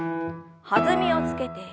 弾みをつけて２度。